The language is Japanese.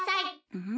うん？